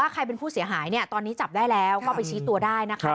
ก็ไปชี้ตัวได้นะคะ